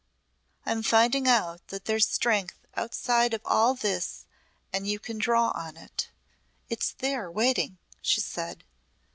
I'm finding out that there's strength outside of all this and you can draw on it. It's there waiting," she said.